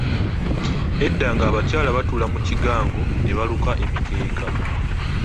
Edda ng'abakyala batuula mu kigango ne baluka emikeeka.